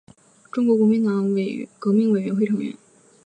中国国民党革命委员会成员。